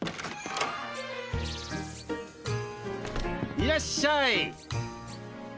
いらっしゃい。